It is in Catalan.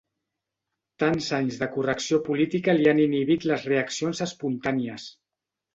Tants anys de correcció política li han inhibit les reaccions espontànies.